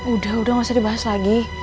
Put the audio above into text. udah udah gak usah dibahas lagi